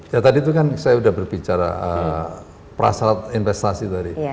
ya tadi itu kan saya sudah berbicara prasarat investasi tadi